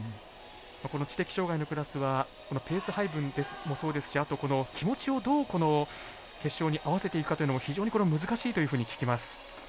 この知的障がいのクラスはペース配分もそうですしあと気持ちを、どうこの決勝に合わせていくかというのも非常に難しいというふうに聞きます。